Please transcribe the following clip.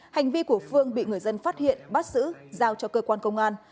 hành vi của phương bị người dân phát hiện bắt giữ giao cho cơ quan công an